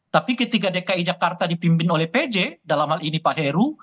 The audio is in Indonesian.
tapi ketika dki jakarta dipimpin oleh pj dalam hal ini pak heru